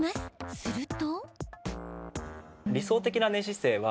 すると。